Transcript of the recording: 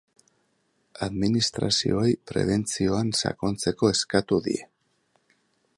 Administrazioei prebentzioan sakontzeko eskatu die.